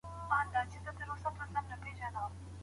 وترنري پوهنځۍ په خپلواکه توګه نه اداره کیږي.